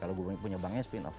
kalau gue punya bank spin off